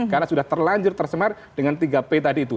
karena sudah terlanjur tercemar dengan tiga p tadi itu